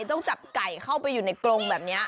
ต้องจับไก่เข้าไปอยู่ในกรงแบบนี้